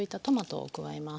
トマト！